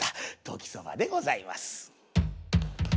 「時そば」でございます。